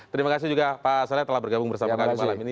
terima kasih juga pak salih telah bergabung bersama kami